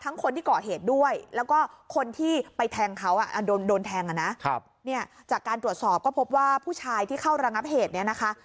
คนที่ก่อเหตุด้วยแล้วก็คนที่ไปแทงเขาโดนแทงอ่ะนะเนี่ยจากการตรวจสอบก็พบว่าผู้ชายที่เข้าระงับเหตุเนี่ยนะคะ